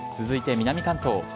続いて南関東。